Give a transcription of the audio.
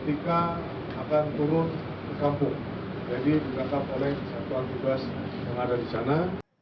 jadi ditangkap oleh satu antubas yang ada di sana